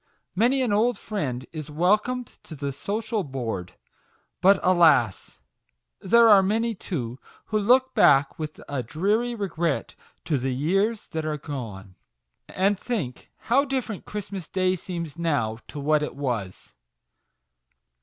Many an old friend is welcomed to the social board. But, alas ! there are many, too, who look back with a dreary regret to the years that are gone, and think, how different Christmas Day seems now to what it was